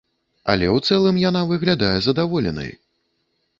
Але ў цэлым яна выглядае задаволенай.